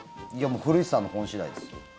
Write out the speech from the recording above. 古市さんの本次第です。